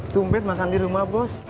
tumpet makan di rumah bos